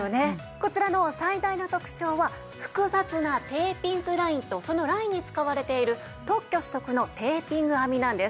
こちらの最大の特徴は複雑なテーピングラインとそのラインに使われている特許取得のテーピング編みなんです。